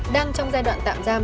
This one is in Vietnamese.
đang trong giai đoạn tạm giam